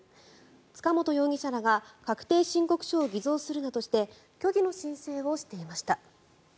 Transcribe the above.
塚本容疑者らが確定申告書を偽造するなどして虚偽の申請をしていました。